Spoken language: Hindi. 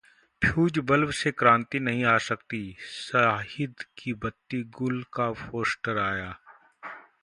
फ्यूज बल्ब से क्रांति नहीं आ सकती, शाहिद की बत्ती गुल का पोस्टर आया